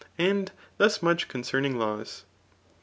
And thus much concerning laws.